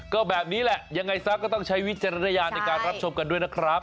ก็แบบนี้แหละยังไงซะก็ต้องใช้วิจารณญาณในการรับชมกันด้วยนะครับ